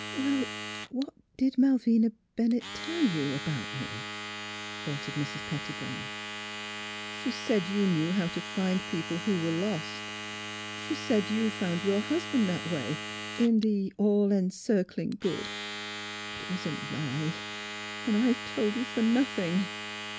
" What did Malvina Bennett tell you — about me! " faltered Mrs. Pettibone. 232 THE HEAET OF PHILUEA " She said you knew how to find people who were lost. She said you found your husband that way. In the — the All Encircling Good. But it was a lie. And I've told you for nothing.